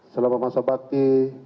selama masa bakti